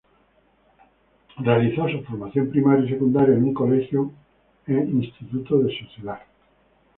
Realizó su formación primaria y secundaria en un colegio e instituto de su ciudad.